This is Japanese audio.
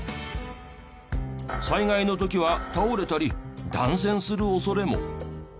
災害の時は倒れたり断線する恐れも。